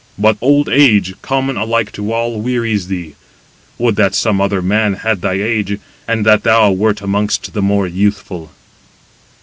But old age, common alike to all, wearies thee. Would that some other man had thy age, and that thou wert amongst the more youthful."